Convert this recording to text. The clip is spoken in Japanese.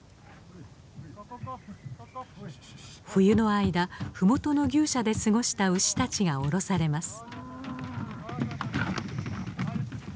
冬の間ふもとの牛舎で過ごした牛たちがおろされます。